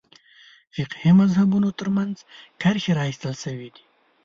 فقهي مذهبونو تر منځ کرښې راایستل شوې دي.